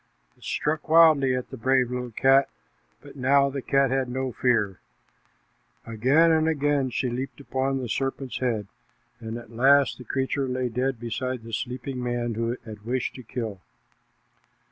It struck wildly at the brave little cat, but now the cat had no fear. Again and again she leaped upon the serpent's head, and at last the creature lay dead beside the sleeping man whom it had wished to kill.